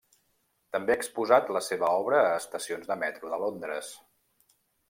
També ha exposat la seva obra a estacions de metro de Londres.